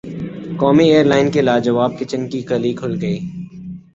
قومی ایئرلائن کے لاجواب کچن کی قلعی کھل گئی